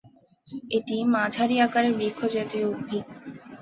এটি মাঝারি আকারের বৃক্ষ জাতীয় উদ্ভিদ।